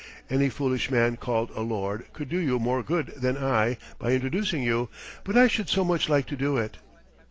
Any foolish man called a lord could do you more good than I by introducing you, but I should so much like to do it."